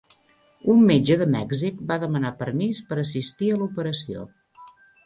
Un metge de Mèxic va demanar permís per assistir a l'operació.